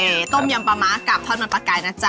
ต้มยำปลามากับทอดมันปลากายนะจ๊ะ